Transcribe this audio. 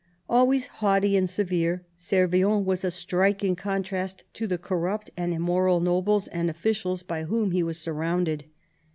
Always haughty and severe, Servien was a striking contrast to the corrupt and immoral nobles and officials by whom he was surrounded.